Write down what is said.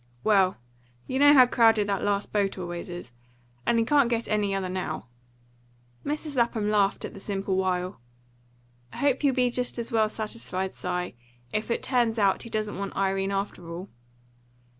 "Well, you know how crowded that last boat always is, and he can't get any other now." Mrs. Lapham laughed at the simple wile. "I hope you'll be just as well satisfied, Si, if it turns out he doesn't want Irene after all."